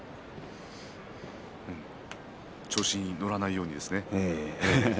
調子に乗らないようにですね。